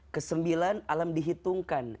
kesembilan alam dihitungkan